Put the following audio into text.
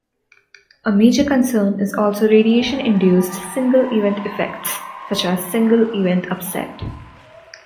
A major concern is also radiation-induced "single-event effects" such as single event upset.